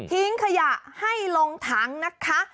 ทิ้งขยะให้ลงถังนะคะ